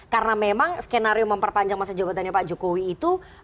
karena memang skenario memperpanjang masa jawabannya pak jokowi itu